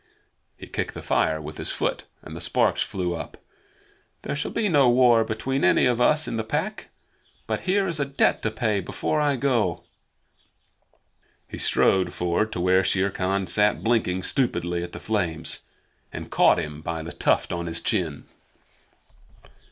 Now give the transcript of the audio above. He kicked the fire with his foot, and the sparks flew up. "There shall be no war between any of us in the Pack. But here is a debt to pay before I go." He strode forward to where Shere Khan sat blinking stupidly at the flames, and caught him by the tuft on his chin.